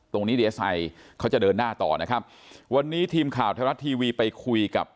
ดีเอสไอเขาจะเดินหน้าต่อนะครับวันนี้ทีมข่าวไทยรัฐทีวีไปคุยกับ